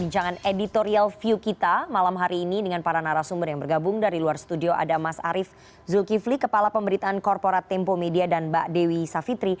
cnn indonesia prime news